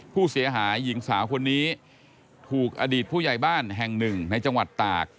ผู้เสียหายหญิงสาวคนนี้ถูกอดีตผู้ใหญ่บ้านแห่งหนึ่งในจังหวัดตาก